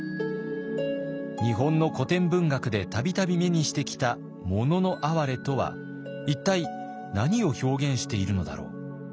日本の古典文学で度々目にしてきた「もののあはれ」とは一体何を表現しているのだろう？